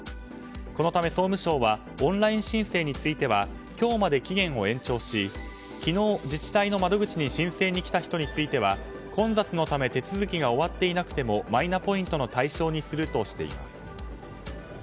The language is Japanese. このため総務省はオンライン申請については今日まで期限を延長し昨日、自治体の窓口に申請に来た人については混雑のため手続きが終わっていなくてもマイナポイントの対象にするとしています。